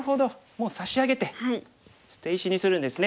もう差し上げて捨て石にするんですね。